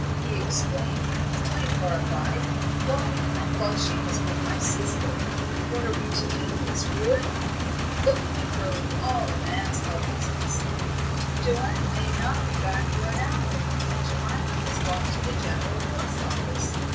he exclaimed, quite horrified. "Why, I thought she was with my sister! What are we to do, Miss Ward?" looking at her with all a man's helplessness. "Joanna may not be back for an hour, and Jemima has gone to the General Post Office.